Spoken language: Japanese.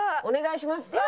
お願いします。